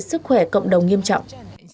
sức khỏe cộng đồng nghiêm trọng